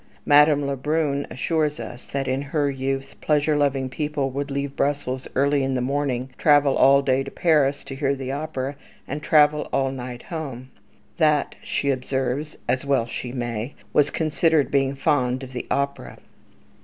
Madame Le Brun assures us that, in her youth, pleasure loving people would leave Brussels early in the morning, travel all day to Paris, to hear the opera, and travel all night home. "That," she observes, as well she may, "was considered being fond of the opera."